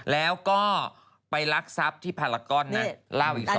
แล้วก็ไปลักษัพที่พาราก้อนนะเล่าอีก๒บาท